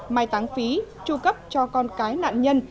mai táng phí tru cấp cho con cái nạn nhân